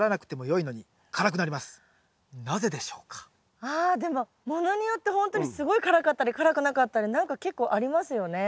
更にあでもものによってほんとにすごい辛かったり辛くなかったり何か結構ありますよね。